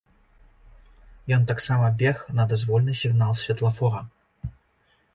Ён таксама бег на дазвольны сігнал святлафора.